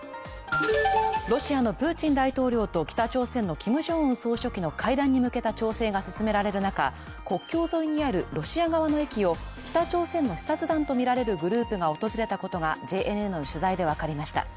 ロシアのプーチン大統領と北朝鮮のキム・ジョンウン総書記の会談に向けた調整が進められる中、国境沿いにあるロシア側の駅を北朝鮮の視察団とみられるグループが訪れたことがＪＮＮの取材で分かりました。